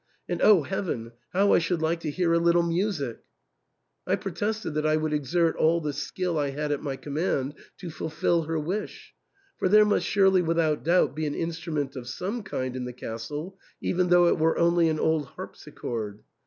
And O heaven ! how I should, like to hear a little music !I protested that I would exert all the skill I had at my command to fulfil her wish, for there must surely without doubt be an instru ment of some kind in the castle, even though it were only an old harpsichord.